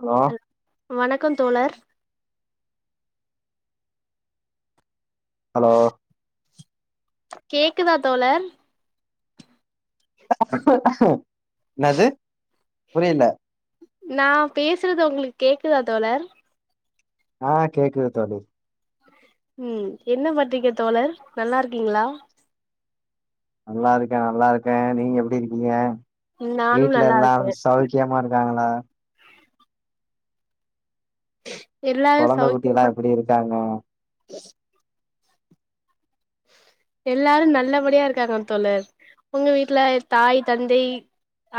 Hello வணக்கோ தோழர் hello கேக்குதா தோழர் [unintelligible] என்னது புரியல நா பேசுறது உங்களுக் கேக்குதா தோழர் ஆ கேக்குது தோழி ம் என்ன பண்றீங்க தோழர் நல்லா இருக்கீங்களா நல்லா இருக்கே நல்லா இருக்கே நீங்க எப்டி இருக்கீங்க நானும் வீட்ல நல்லா இருக்கே எல்லாரு சவுக் கியமா இருக்காங்களா எல்லாரு கொழந்த குட்டி எல்லா சௌக்கியந்தா எப்டி இருக்காங்க எல்லாரு நல்லபடியா இருக்காங்க தோழர் உங்க வீட்டுல தாய் தந்தை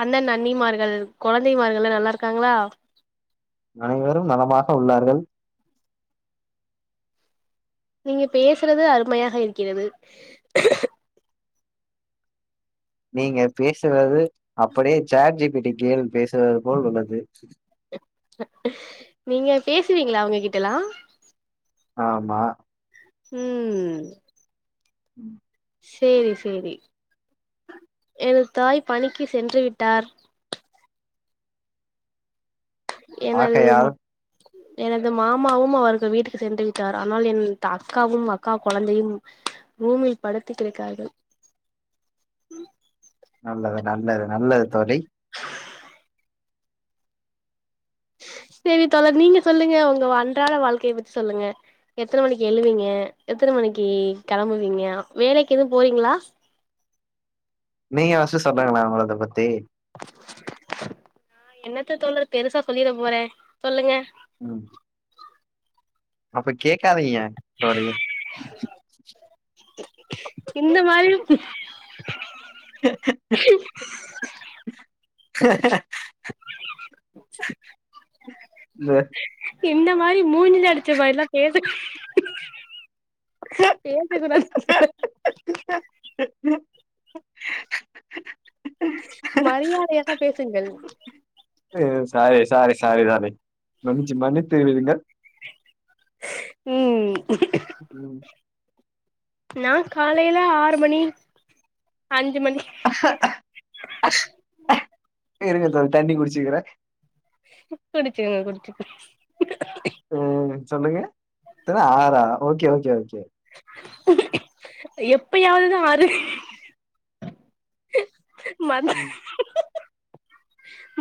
அண்ணன் அண்ணிமார்கள் கொழந்தை மார்கள் எல்லா நல்லா இருக்காங்களா அனைவரும் நலமாக உள்ளார்கள் நீங்க பேசுறது அருமையாக இருக்கிறது நீங்க பேசுவது அப்டியே சட் ஜி பி டி கேள் பேசுவது போல் உள்ளது நீங்க பேசுவீங்களா அவங்க கிட்டெலா ஆமா ம் [inaudible] செரி செரி எனது தாய் பணிக்கு சென்று விட்டார் எனது ஆகையால் எனது மாமாவும் அவருக்கு வீட்டுக்கு சென்று விட்டார் ஆனால் என் அக்காவும் அக்கா கொழந்தயும் ரூமில் படுத்து கிடக்கார்கள் நல்லது நல்லது நல்லது தோழி சரி தோழர் நீங்க சொல்லுங்க உங்க அன்றாட வாழ்க்கைய பத்தி சொல்லுங்க எத்தன மணிக்கு எழுவீங்க எத்தன மணிக்கு கெளம்புவீங்க வேலைக்கு எதுவு போறீங்களா நீங்க பஸ்ஸூ சொன்னாங்களா உங்களத பத்தி நா என்னத்த தோழர் பெருசா சொல்லிட போறே சொல்லுங்க ம் அப்ப கேக்காதீங்க தோழி இந்த மாரி [inaudible] இந்த மாரி மூஞ்சுல அடிச்ச மாரில்லா பேச கூ பேச கூடாது சொன்ன [inaudible] மரியாதையாக பேசுங்கள் சாரி சாரி சாரி ராணி கொஞ்சோ மன்னித்த விடுங்கள் ம் ம் நா காலையில ஆறு மணி அஞ்சு மணி இருங்க தோழி தண்ணி குடிச்சிக்கிற குடிச்சுகோங்க குடிச்சுங் ம் சொல்லுங்க எத்தன ஆறா ஓகே ஓகே ஓகே எப்பயாவதுதா ஆறு மத் ம்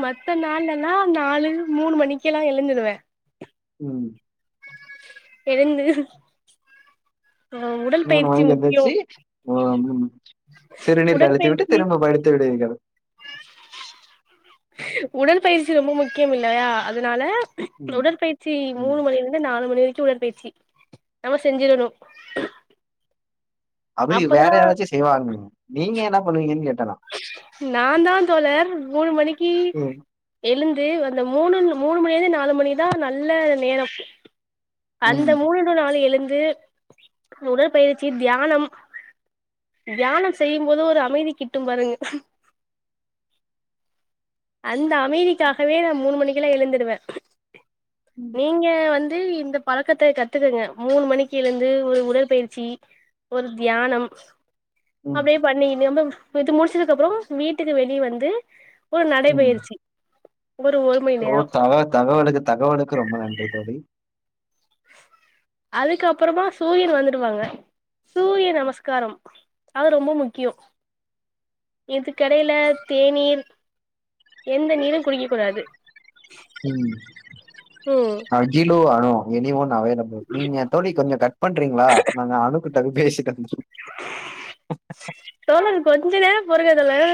மத்த நாள்லல்லா நாலு மூணு மணிக்கெல்லா எழுதுருவ ம் எழுந்து அ உடல் மூணு மணிக்கு எந்திச்சி [unintelligible] சிறுநீர் கழுத்திவிட்டு உடற்பயிற்சி திரும்ப படுத்து விடுவீங்கள் உடல் பயிற்சி ரொம்ப முக்கியம் இல்லையா அதனால ம் உடற்பயிற்சி ம் மூணு மணியில இருந்து நாலு மணி வரைக்கு உடற்பயிற்சி நம்ம செஞ்சிறணு அப்டி வேற அப்பதா யாராச்சு செய்வாங்கங் நீங்க என்ன பண்ணுவீங்கன்னு கேட்ட நா நா தா தோழர் மூணு மணிக்கு ம் எழுந்து அந்த மூணு மூணு மணியிலருந்து நாலு மணிக்கு தா நல்ல நேரம் அந்த ம் மூணு டூ நாழு எழுந்து உடற்பயிற்சி தியானம் தியானம் செய்யும் போது ஒரு அமைதி கிட்டும் பாருங்க அந்த அமைதிக்காகவே நா மூணு மணிக்குலா எழுந்துடுவ நீங்க வந்து இந்த பழக்கத்த கத்துக்குங்க மூணு மணிக்கு எழுந்து ஒரு உடற்பயிற்சி ஒரு தியானம் ம் அப்டியே பண்ணி நம்ம இது முடிச்சதுக்கு அப்பறோ வீட்டுக்கு வெளிய வந்து ஒரு ம் நடைபயிற்சி ஒரு ஒரு மணி ஓ நேரோ தவ தகவலுக்கு தகவலுக்கு ரொம்ப நன்றி தோழி அதுக்கு அப்புறமா சூரியன் வந்துடுவாங்க சூரிய நமஸ்காரம் அது ரொம்ப முக்கியோ இது கெடையில தேநீர் எந்த நீரு குடிக்க கூடாது ம் ம் அகிலு வரு எனி ஒன் அவைலபிள் நீங்க தோழி கொஞ்சோ கட் பண்றீங்களா நாங்க அணுகிட்ட பேசி வந்தற தோழர் கொஞ்ச நேரோ பொருங்க தோழர்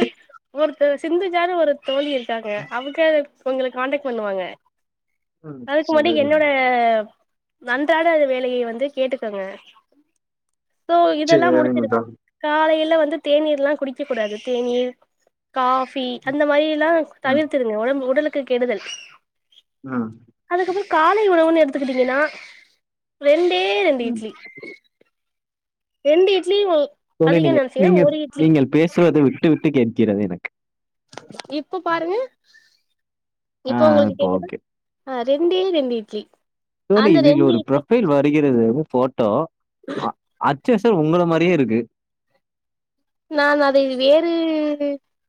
ஒரு அ சிந்துஜானு ஒரு தோழி இருக்காங்க அவுக்க உங்களுக்கு கான்டெக்ட் பண்ணுவாங்க ம் அதுக்கு முன்னாடி சேரிங்க என்னோட நன்றாட அது வேலையை வந்து கேட்டுக்கங்க சோ இதெல்லா சேரிங்க முடிச்சிடுவே. தோழி காலைல வந்து தேநீர் எல்லா குடிக்க கூடாது தேநீர் காஃபி அந்த மாரி எல்லா ம் தவிர்த்துருங்க உடம் உடலுக்கு கெடுதல். ம். அதுக்கப்புறோ காலை உணவுனு எடுத்துக்கிட்டீங்கனா ரெண்டே ரெண்டு ம் இட்லி. ரெண்டு இட்லிவு தோழி நீங்க நீங்கள் நீங்கள் பேசுவது விட்டு விட்டு கேட்கிறது எனக்கு. இப்போ பாருங்க ஆ இப்போ உங்குளுக்கு கேக்குதா? ஓகே அ ரெண்டே ரெண்டு இட்லி. தோழி அந்த இதில் ரெண்டு ஒரு இட்லி புரொஃபைல் வருகிறது ஃபோட்டோ அ அத் ச்சு அசல் உங்கள மாரியே இருக்கு. நான் அதை வேறு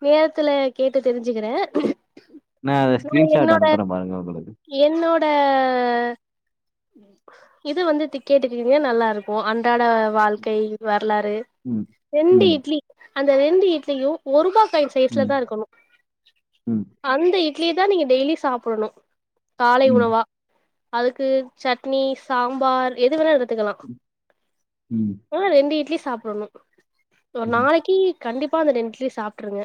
நேரத்துல கேட்டு தெரிஞ்சுக்கிறே. நா அத ஸ்க்ரீன் ஷாட் அனுப்புற பாருங்க உங்குளுக்கு. என்னோட ம். இது வந்துத்து கேட்டுக்கிறீங்க நல்லா இருக்கு அன்றாட வாழ்க்கை வரலாறு ம் ரெண்டு ம் இட்லி அந்த ரெண்டு இட்லியு ஒருபா காய்ன்ஸ் ம் சைஸ்லதா இருக்கணு ம் அந்த இட்லியதா நீங்க டெய்லி சாப்படணு. காலை ம் உணவா அதுக்கு சட்னி சாம்பார் எது வேணா எடு த்துக்கலா ம் உள்ள ரெண்டு இட்லி சாப்பிடணு. ஒரு ம் நாளைக்கி கண்டிப்பா அந்த ரெண்டுட்லிய சாப்ட்ருங்க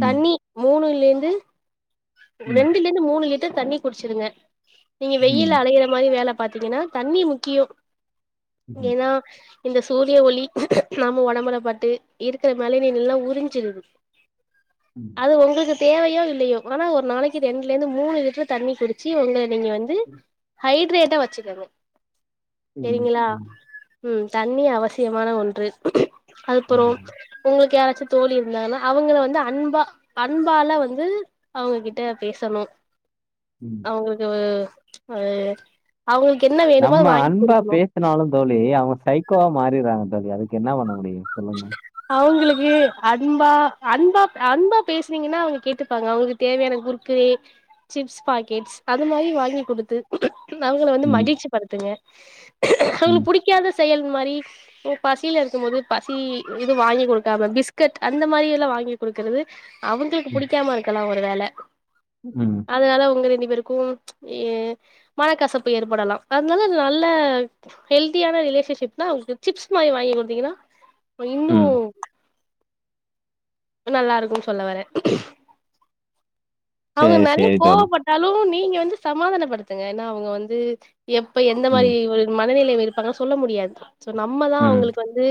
ம் தண்ணி மூணுலிந்து ம் ரெண்டுலிந்து மூணு லிட்டர் தண்ணி குடிச்சிருங்க. நீங்க ம் ம் வெயில்ல அலையிற மாரி வேல பாத்தீங்கன்னா தண்ணி முக்கியோ ம் ஏனா இந்த சூரிய ஒளி நம்ம உடம்பல பட்டு இருக்கிற மேலெனின் எல்லா உறிஞ்சிருது. அது ஒங்குளுக்கு தேவையோ இல்லையோ ஆனா ஒரு நாளைக்கி ரெண்டுலிந்து மூணு லிட்டர் தண்ணி குடி ச்சி உங்கள நீங்க வந்து ஹைட்ரேட்டா வெச்சுக்கங்க. ம். செரிங்களா ம். ம் தண்ணி அவசியமான ஒன்று. அதுப்புறோ ம். உங்குளுக்கு யாராச்சு தோழி இருந்தாங்கன்னா அவுங்கள வந்து அன்பா அன்பால வந்து அவுங்ககிட்ட பேசணு. ம். அவுங்குளுக்குவு அ அவுங்குளுக்கு என்ன வேணுமோ அது வாங்கி குடுக்கணு. த்துனாலு தோழி அவுங்க சைக்கோவா மாரிறாங்க தோழி அதுக்கு என்னா பண்ண முடியு சொல் அவுங்குளுக்கு அன்பா அன்பாப் அன்பா பேசுனீங்கன்னா அவுங்க கேட்டுப்பாங்க அவுங்குளுகு தேவையான குர்குரே சிப்ஸ் பாக்கெட்ஸ் அது மாரி வாங்கி குடுத்து அவுங்கள வந்து ம் மகிழ்ச்சி படுத்துங்க ம் அவுங்குளுக் புடி க்காத செயல் மாரி ம் பசில இருக்கும் போது பசி இது வாங்கி குடுக்காம பிஸ்கட் அந்த மாரி எல்லா வாங்கி குடுக்கறது அவுங்குளுக்கு புடிக்காம இருக்கலா ஒரு வேல. ம் ம். அதனால உங்க ரெண்டு பேருக்கும் எ மனக்கசப்பு ஏற்படலாம் அதனால நல்ல ஹெல்தியான ரிலேஷன்ஷிப்னா அவுங்குளுக்கு சிப்ஸ் மாரி வாங்கி குடுத்தீங்கன்னா உ இன்னு ம். நல்லாருக்குன் சொல்ல வரே. அவுங்க சேரி நறைய சேரி தோழி கோவப்பட்டாலு நீங்க வந்து சமாதானப்படுத்துங்க ஏனா அவுங்க வந்து எப்ப எந்த மாரி ம் ஒரு மனநிலமை இருப்பாங்கன் சொல்ல முடியாது சோ நம்மதா ம் அவுங்குளுக்கு வந்து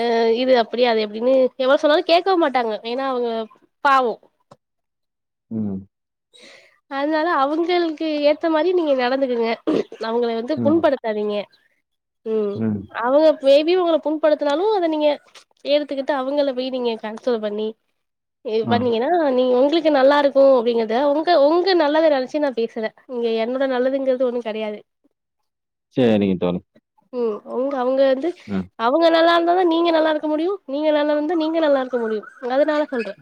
அ இது அப்டி அது எப்டினு எவ்ள சொன்னாலு கேக்கவு மாட்டாங்க ஏனா அவுங்க பாவோ. ம். அதுனால அவுங்களுக்கு ஏத்த மாரி நீங்க நடந்துக்குங்க அவுங்கள வந்து ம் புண்படுத் தாதீங்க ம் அவங்க மேபி உங்கள புண்படுத்துனாலு அத நீங்க எடுத்துக்கிட்டு அவுங்கள போய் நீங்க கன்சல் பண்ணி ஏ ஆ பண்ணீங்கன்னா நீங்க உங்குளுக்கு நல்லாருக்கு அப்டிங்கிறத் ங்க உங்க உங்க நல்லது நனைச்சு நா பேசுற இங்க என்னோட நல்லதுங்கறது ஒண்ணு கெடையாது சேரிங்க தோழி ம் ஒங்க அவுங்க வந்து ம் அவுங்கள தா ந்தாதா நீங்க நல்லாருக்க முடியு நீங்க நல்லாருந்தா நீங்க நல்லா இருக்க முடியு அதுனால சொல்ற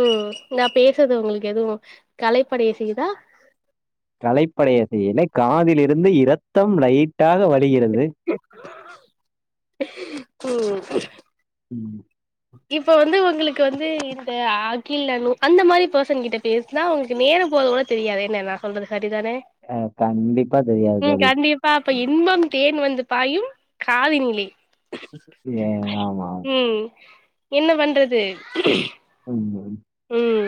ம் நா பேசுறது உங்குளுக்கு எதுவு கலைப்படைய செய்தா கலைப்படைய செய்யல காதிலிருந்து இரத்தம் லைட்டாக வழிகிறது ம் ம் இப்ப வந்து உங்குளுக்கு வந்து இந்த அகில் அனு அந்த மாரி பர்சன் கிட்ட பே சுனா உங்குளுக்கு நேரோ போகுறது கூட தெரியாதே என்ன நா சொல்றது சரி தானே அ கண்டிப்பா தெரியாது தோழி பாப்போ இன்பம் தேன் வந்து பாயும் காதுனிலே எ ஆமா ஆமா ம் என்ன பண்றது [unintelligible] ம்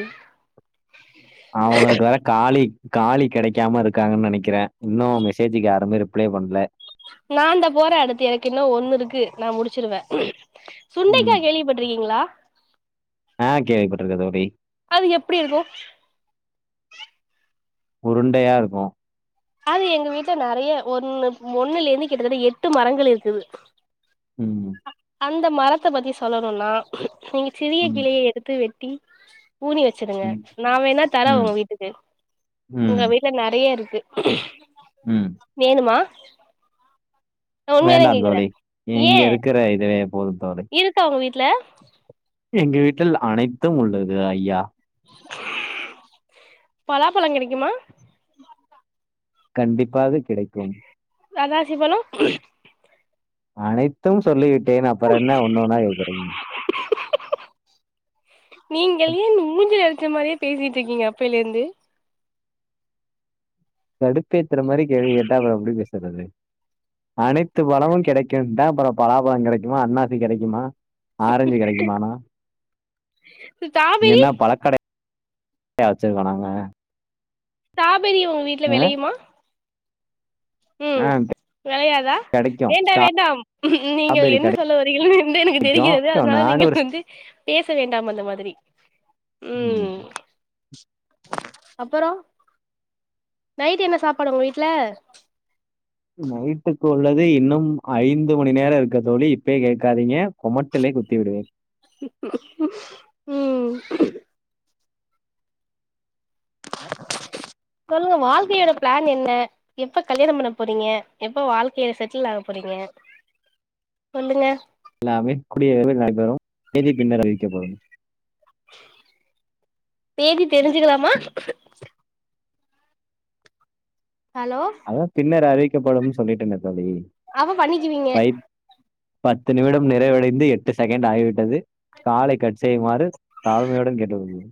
அவுங்குளுக்கு வேற காலி காலி கெடைக்காம இருக்காங்கனு நெனைக்கிற இன்னு மெசேஜிக்கி யாருமே ரிப்ளை பண்ல நா அந்த போற அடுத்து எனக்கு இன்னு ஒண்ணு இருக்கு நா முடிச்சிருவே ம் சுண்டைக்கா கேள்விப்பட்டிருக்கீங்களா ஆ கேவிப்பட்டுருக்க தோழி அது எப்டிருக்கு உருண்டையாருக்கு அது எங்க வீட்ல நறைய ஒன்னு ஒன்னுலேருந்து கிட்டத்தட்ட எட்டு மரங்கள் இருக்குது ம் அந்த மரத்த பத்தி சொல்லணுன்னா நீங்க சிறிய ம் கிளைய எடுத்து வெட்டி ஊனி வச்சிருங்க ம் நா வேணா தர ம் உங்க வீட்டுக்கு எங்க ம் வீட் ல்ல நறையருக்கு ம் வேணுமா நா உண்மையாதா வேண்டா கேக்குறே தோழி ஏ இங்கருக்குற இதுவே போது தோழி இருக்கா உங்க வீட்ல எங்க வீட்டில் அனைத்தும் உள்ளது ஐயா பலா பழோ கிடைக்குமா கண்டிப்பாக கிடைக்கும் அண்ணாசி பழோ அனைத்தும் சொல்லி விட்டேன் அப்றோ என்ன ஒன்னொன்னா கேக்குறீங்க நீங்கள் ஏன் மூஞ்சில அடிச்ச மாரியே பேசிட்டுருக்கீங்க அப்பேலிருந்து கடுப்பேத்துற மாரி கேள்வி கேட்டா அப்றோ எப்டி பேசுறது அனைத்து பழமும் கெடைக்குன்டா அப்றோ பலா பழோ கெடைக்குமா அன்னாசி கெடைக்குமா ஆரஞ்சு கெடைக்குமாணா இங்க ஸ்டாபெரி என்னா பழக்கடையா வச்சிருக்கோ நாங்க ஸ்டாபெரி உங்க வீட்ல அ, வெளையுமா ஆ ம் வெளையாதா கிடைக்கும். வேண்டா வேண்டாம் நீங்கள் ஸ்ட்ராபெர்ரி என்ன சொல்ல வருகிறீர் என்று எனக்கு தெரிகிறது கிடைக்கும். அதுனால நானும் நீங்கள் ஒரு வந்து பேச வேண்டாம் அந்த மாதிரி ம் அப்பறோ நைட் என்ன சாப்பாடு உங்க வீட்ல நைட்டு குள்ளது இன்னும் ஐந்து மணி நேர இருக்கு தோழி இப்பயே கேக்காதீங்க கொமட்டிலே குத்தி விடுவே ம் சொல்லுங்க வாழ்க்கையோட பிளான் என்ன எப்ப கல்யாண பண்ண போறீங்க எப்ப வாழ்க்கைல செட்டில் ஆக போறீங்க சொல்லுங்க எல்லாமே கூடிய விரைவில் நடைபெறும் தேதி பின்னர் அறிவிக்கப்படும் தேதி தெரிஞ்சுக்கலாமா ஹலோ அ பின்னர் அறிவிக்கப்படும்னு சொல்லிட்டனே தோழி அப்ப பண்ணிக்கிவிங்க பை பத்து நிமிடம் நிறைவடைந்து எட்டு செகண்ட் ஆகிவிட்டது காலை கட் செய்யுமாறு தாழ்மையுடன் கேட்டுக் கொள்கிறே